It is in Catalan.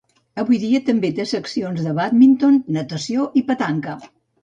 Avui dia també té seccions de bàdminton, natació i petanca.